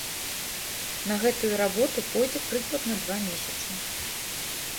На гэтую работу пойдзе прыкладна два месяцы.